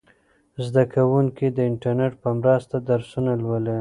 زده کوونکي د انټرنیټ په مرسته درسونه لولي.